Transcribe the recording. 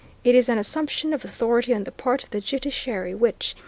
It is an assumption of authority on the part of the judiciary which